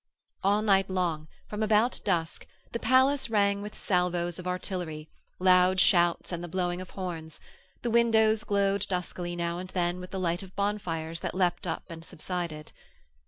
All night long, from about dusk, the palace rang with salvos of artillery, loud shouts and the blowing of horns: the windows glowed duskily now and again with the light of bonfires that leapt up and subsided.